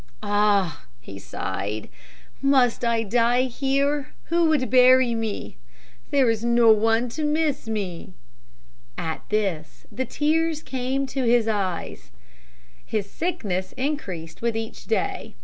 "Ah," he sighed, "must I die here? Who would bury me? There is no one to miss me." At this the tears came to his eyes. His sickness increased with each day.